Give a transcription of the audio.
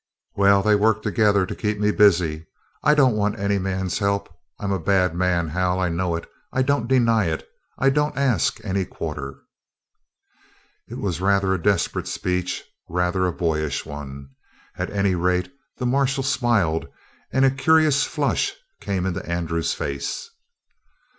Well, they'll work together to keep me busy. I don't want any man's help. I'm a bad man, Hal. I know it. I don't deny it. I don't ask any quarter." It was rather a desperate speech rather a boyish one. At any rate the marshal smiled, and a curious flush came in Andrew's face.